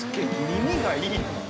耳がいいな。